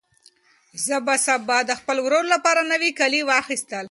زه به سبا د خپل ورور لپاره نوي کالي واخیستل.